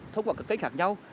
thông qua các cách khác nhau